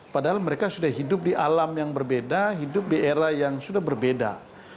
padahal mereka sudah hidup di alam yang berbeda hidup di era yang sudah berbeda